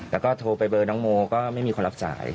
แล้วก็โทรไปเบอร์น้องโมก็ไม่มีคนรับสาย